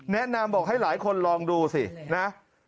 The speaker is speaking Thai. แนะนำบอกให้หลายคนลองดูสินะ